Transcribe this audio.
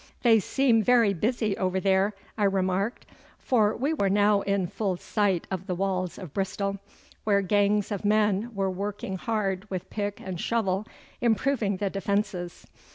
'They seem very busy over there,' I remarked, for we were now in full sight of the walls of Bristol, where gangs of men were working hard with pick and shovel improving the defences.